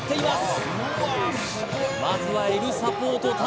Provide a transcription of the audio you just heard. まずはＬサポート